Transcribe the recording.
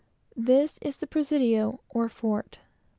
This is the "Presidio," or fort.